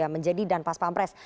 menjadi dan pas pampres